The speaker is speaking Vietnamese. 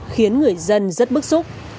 khiến người dân rất bức xúc